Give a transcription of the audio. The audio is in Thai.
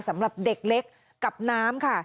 สำหรับเด็กเล็กกับน้ำค่ะ